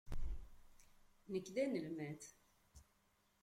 Nekk d anelmad.